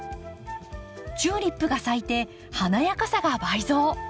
チューリップが咲いて華やかさが倍増。